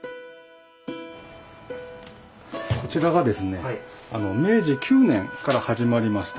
こちらがですね明治９年から始まりました